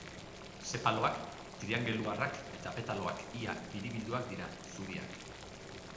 Sepaloak triangeluarrak eta petaloak ia biribilduak dira, zuriak.